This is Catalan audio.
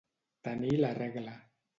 Tenir la regla.